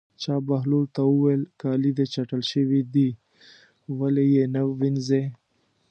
چا بهلول ته وویل: کالي دې چټل شوي دي ولې یې نه وینځې.